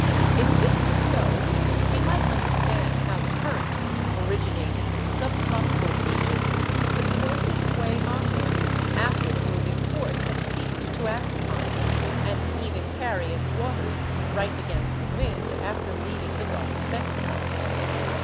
If this were so, we might understand how the current, originating in sub tropical regions, could force its way onward after the moving force had ceased to act upon it, and even carry its waters right against the wind, after leaving the Gulf of Mexico.